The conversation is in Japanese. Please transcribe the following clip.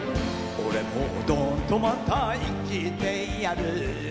「俺もどんとまた生きてやる」